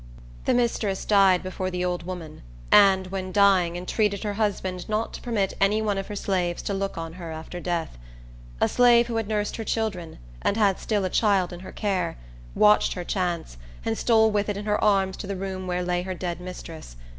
The mistress died before the old woman, and, when dying, entreated her husband not to permit any one of her slaves to look on her after death. A slave who had nursed her children, and had still a child in her care, watched her chance, and stole with it in her arms to the room where lay her dead mistress.